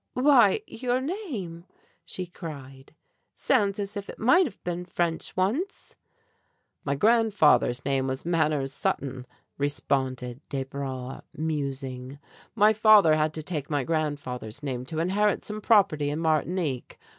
"Why, your name," she cried, "sounds as if it might have been French once!" "My grandfather's name was Manners Sutton," responded Desbra, musing. "My father had to take my grandfather's name to inherit some property in Martinique.